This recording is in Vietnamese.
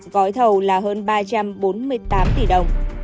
gói thầu là hơn ba trăm bốn mươi tám tỷ đồng